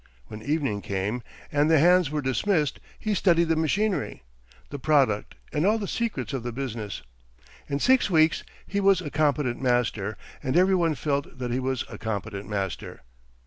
When evening came, and the hands were dismissed, he studied the machinery, the product, and all the secrets of the business. In six weeks he was a competent master, and every one felt that he was a competent master.